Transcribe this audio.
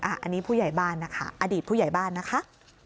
อันนี้ผู้ใหญ่บ้านนะคะอดีตผู้ใหญ่บ้านนะคะ